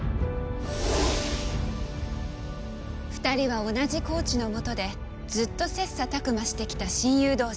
２人は同じコーチのもとでずっと切磋琢磨してきた親友同士。